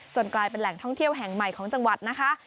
กลายเป็นแหล่งท่องเที่ยวแห่งใหม่ของจังหวัดนะคะ